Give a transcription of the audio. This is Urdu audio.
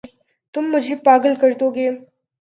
تم مجھے پاگل کر دو گے